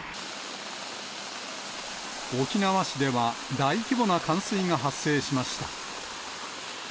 沖縄市では、大規模な冠水が発生しました。